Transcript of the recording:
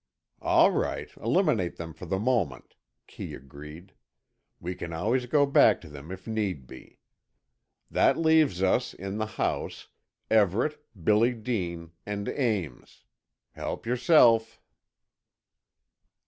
"All right, eliminate them for the moment," Kee agreed. "We can always go back to them if need be. That leaves us, in the house, Everett, Billy Dean and Ames. Help yourself."